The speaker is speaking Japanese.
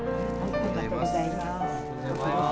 ありがとうございます。